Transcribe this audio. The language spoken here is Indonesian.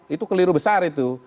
itu keliru besar itu